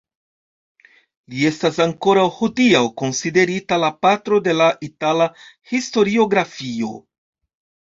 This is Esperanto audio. Li estas ankoraŭ hodiaŭ konsiderita la patro de la itala historiografio.